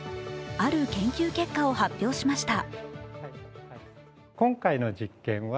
ある研究結果を発表しました。